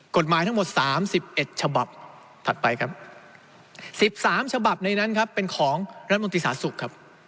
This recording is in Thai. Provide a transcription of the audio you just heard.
กฎหมายทั้งหมด๓๑ฉบับถัดไปครับ๑๓ฉบับในนั้นครับเป็นของรัฐมนตรีสาธารณสุขครับ